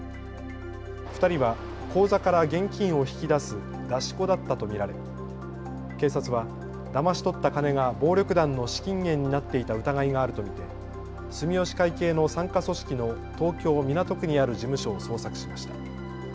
２人は口座から現金を引き出す出し子だったと見られ警察はだまし取った金が暴力団の資金源になっていた疑いがあると見て住吉会系の傘下組織の東京港区にある事務所を捜索しました。